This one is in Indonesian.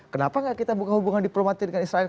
kenapa nggak kita buka hubungan diplomatik dengan israel